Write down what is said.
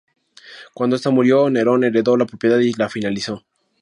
Cuando esta murió, Nerón heredó la propiedad y la finalizó.